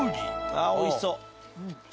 ああおいしそう。